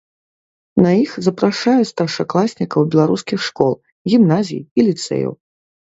На іх запрашаюць старшакласнікаў беларускіх школ, гімназій і ліцэяў.